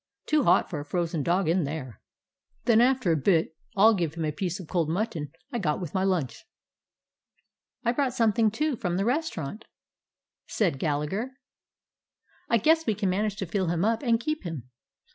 Too hot for a frozen dog in there. Then after a bit I 'll give him a piece of cold mutton I got with my lunch." "I brought something, too, from the res 160 A BROOKLYN DOG taurant," said Gallagher. "I guess we can manage to fill him up, and keep him."